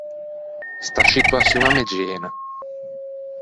Sta scituaçion a me gena.